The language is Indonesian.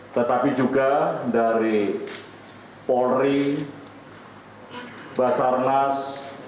tetapi juga dari polri basarnas